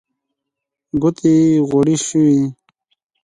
ګوتې يې غوړې شوې.